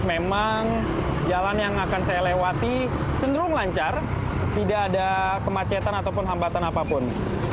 memang jalan yang akan saya lewati cenderung lancar tidak ada kemacetan ataupun hambatan apapun